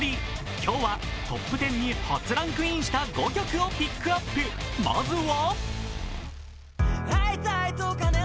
今日はトップ１０に初ランクインした５曲をピックアップ、まずは。